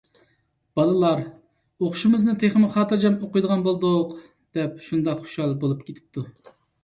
بالىلار: «ئوقۇشىمىزنى تېخىمۇ خاتىرجەم ئوقۇيدىغان بولدۇق» دەپ شۇنداق خۇشال بولۇپ كېتىپتۇ.